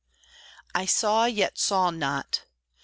I saw, yet saw not.